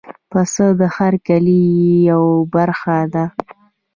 پسه د هر کلي یو برخه ده.